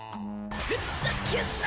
ふざけんな！